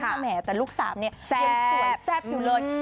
แหมแต่ลูกสามเนี่ยยังสวยแซ่บอยู่เลย